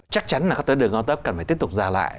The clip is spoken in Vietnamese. chắc chắn là các tổ chức đường cao tốc cần phải tiếp tục giả lại